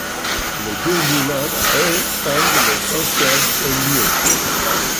Les deux moulins à eau fondent l’essentiel des lieux.